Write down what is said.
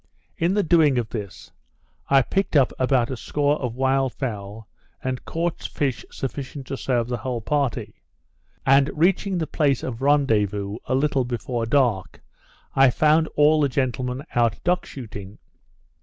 In the doing of this, I picked up about a score of wild fowl, and caught fish sufficient to serve the whole party; and reaching the place of rendezvous a little before dark, I found all the gentlemen out duck shooting.